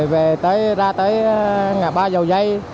rồi về tới ra tới ngã ba dầu dây